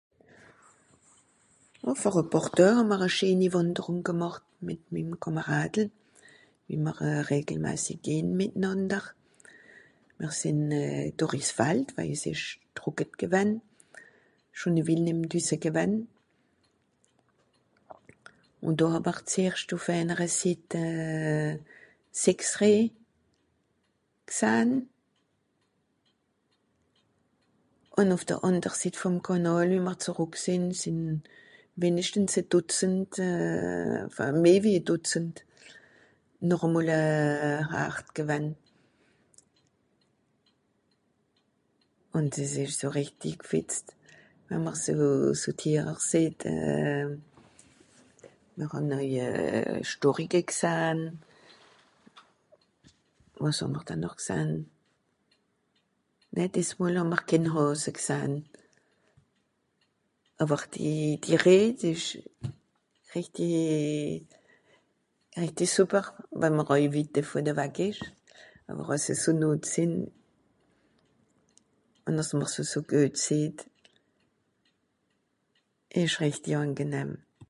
Vor e pààr Doe hà mr e scheni Wànderùng gemàcht mìt mim Kàmàràdel, wie mr regelmasig gehn mìtnànder. Mìr sìnn euh... dùrri s'Fald waje s'ìsch drùcket gewänn. Schon wie (...) düsse gewann. Ùn do hà mr zeerscht ùff ènere Sitt euh... sechs Reh gsahn. Ùn ùff de ànder Sitt vùm Kànàl wie mr zerrùck sìnn sìn wenigschtens e Dùtzend euh... enfin meh wie e Dùtzend noche e mol (...) gewann. ùn dìs ìsch so rìchti gfìtzt, we'mr so... so Tierer seht. Euh... mìr hàn oei Storricke gsahn. Wàs hà'mr da noch gsahn ? né dìs mol hà mr kén Hàse gsahn. Àwer die... die Reh die ìsch rìchti... rìchti sùper, wann'r oei witt devùn ewag ìsch. Àwer wa'se so nàh sìnn, wenn mr se so guet seht, ìsch rìchti àngenahm.